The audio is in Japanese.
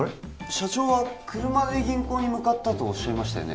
社長は車で銀行に向かったとおっしゃいましたよね